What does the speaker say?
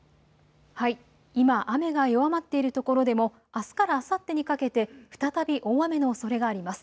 今、雨が弱まっているところでもあすからあさってにかけて再び大雨のおそれがあります。